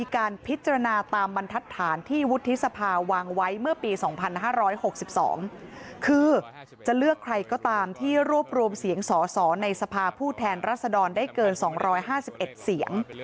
คือจะเลือกใครก็ตามที่รวบรวมเสียงสสในสภาพูดแทนรัฐศดรได้เกิน๒๕๑เสียง